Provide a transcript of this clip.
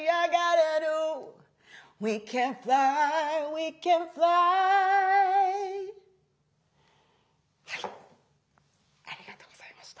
やっぱりねはいありがとうございました。